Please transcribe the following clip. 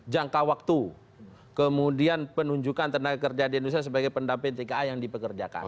jangka waktu kemudian penunjukan tenaga kerja di indonesia sebagai pendamping tka yang dipekerjakan